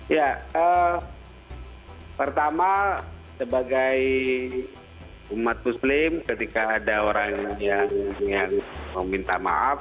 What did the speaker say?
ya pertama sebagai umat muslim ketika ada orang yang meminta maaf